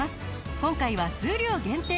今回は数量限定。